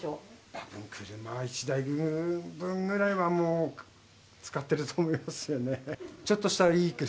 たぶん車１台分ぐらいはもう使ってると思いますよね。